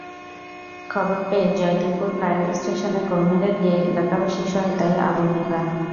খবর পেয়ে জয়দেবপুর ফায়ার স্টেশনের কর্মীরা গিয়ে এলাকাবাসীর সহায়তায় আগুন নেভান।